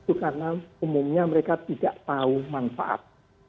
itu karena umumnya mereka tidak tahu manfaat